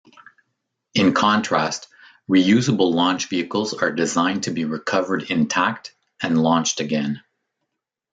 In contrast, reusable launch vehicles are designed to be recovered intact and launched again.